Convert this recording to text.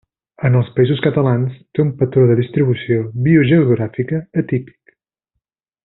En els Països Catalans té un patró de distribució biogeogràfica atípic.